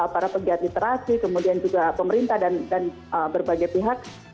para pegiat literasi kemudian juga pemerintah dan berbagai pihak